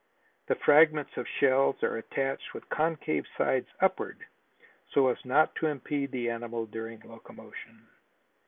The fragments of shells are attached with concave sides upward so as not to impede the animal during locomotion.